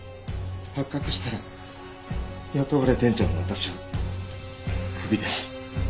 発覚したら雇われ店長の私はクビです。